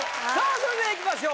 それではいきましょう